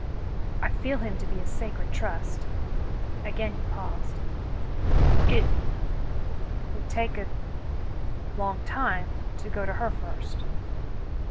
"I feel him to be a sacred trust." Again he paused. "It — would take a — long time to go to her first